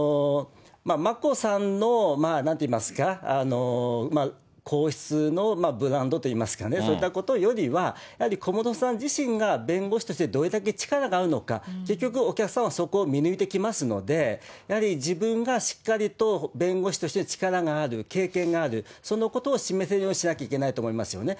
眞子さんのなんといいますか、皇室のブランドといいますかね、そういったことよりは、やはり小室さん自身が弁護士としてどれだけ力があるのか、結局、お客さんはそこを見抜いてきますので、やはり自分がしっかりと弁護士として力がある、経験がある、そのことを示せるようにしなきゃいけないと思いますよね。